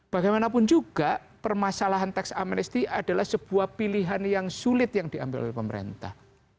bagaimanapun juga permasalahan tax amnesty adalah sebuah pilihan yang sulit yang diambil oleh pemerintah